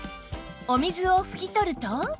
お水を拭き取ると